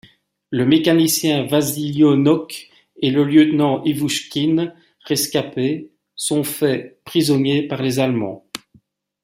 Le mécanicien Vassilionok et le lieutenant Ivouchkine, rescapés, sont faits prisonniers par les Allemands.